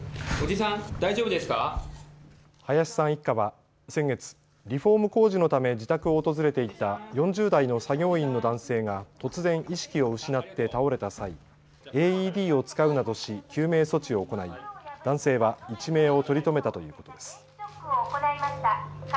林さん一家は先月、リフォーム工事のため自宅を訪れていた４０代の作業員の男性が突然意識を失って倒れた際、ＡＥＤを使うなどし救命措置を行い男性は一命を取り留めたということです。